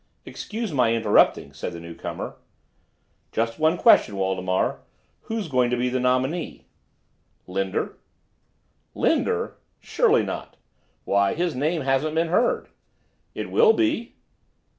"Excuse my interrupting," said the new comer. "Just one question, Waldemar. Who's going to be the nominee?" "Linder." "Linder? Surely not! Why, his name hasn't been heard." "It will be."